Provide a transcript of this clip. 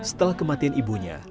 setelah kematian ibunya